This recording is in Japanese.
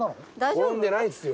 転んでないですよ。